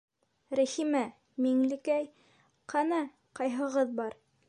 — Рәхимә, Миңлекәй, ҡана, ҡайһығыҙ бар!